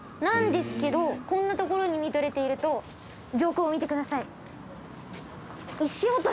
なんですけどこんな所に見とれていると上空を見てください。